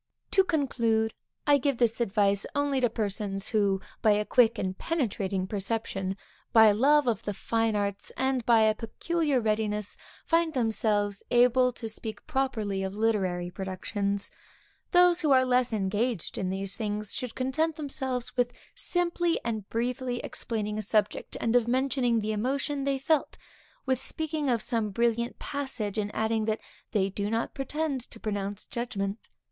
To conclude, I give this advice only to those persons who, by a quick and penetrating perception, by a love of the fine arts, and by a peculiar readiness, find themselves able to speak properly of literary productions. Those who are less engaged in these things, should content themselves with simply and briefly explaining a subject, and of mentioning the emotion they felt; with speaking of some brilliant passage, and adding that they do not pretend to pronounce judgment.